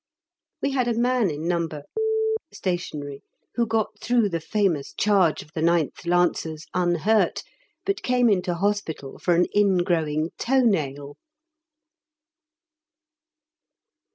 We had a man in No. Stationary who got through the famous charge of the 9th Lancers unhurt, but came into hospital for an ingrowing toe nail!